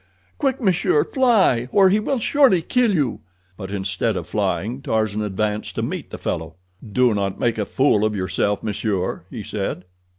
Quick, monsieur, fly, or he will surely kill you!" But instead of flying Tarzan advanced to meet the fellow. "Do not make a fool of yourself, monsieur," he said.